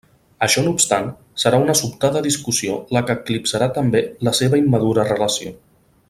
Això no obstant, serà una sobtada discussió la que eclipsarà també la seva immadura relació.